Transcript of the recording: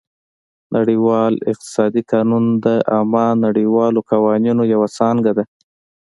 نړیوال اقتصادي قانون د عامه نړیوالو قوانینو یوه څانګه ده